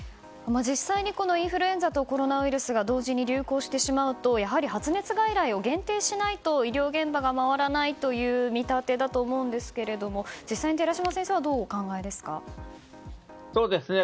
実際にインフルエンザとコロナウイルスが同時に流行してしまうとやはり発熱外来を限定しないと医療現場が回らないという見立てだと思いますが実際に寺嶋先生はどうお考えですか？